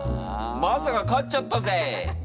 まさか勝っちゃったぜ。